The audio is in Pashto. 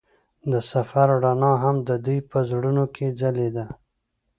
د سفر رڼا هم د دوی په زړونو کې ځلېده.